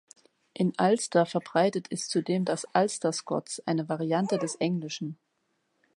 In Ulster verbreitet ist zudem das Ulster Scots, eine Variante des Englischen.